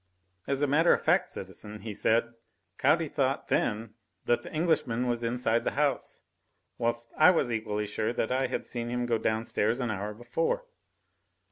"As a matter of fact, citizen," he said, "Caudy thought then that the Englishman was inside the house, whilst I was equally sure that I had seen him go downstairs an hour before."